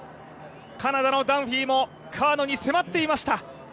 カナダのダンフィーも川野に迫っていました。